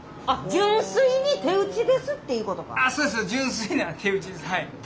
純粋な手打ちです。